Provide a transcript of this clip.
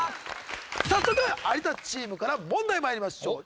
早速有田チームから問題参りましょう。